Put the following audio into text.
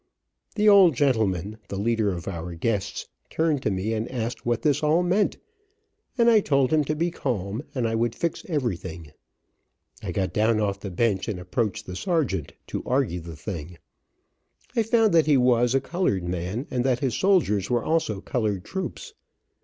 The old gentleman, the leader of our guests, turned to me and asked what this all meant, and I told him to be calm, and I would fix everything. I got down off the bench and approached the sergeant, to argue the thing. I found that he was, a colored man, and that his soldiers were also colored troops.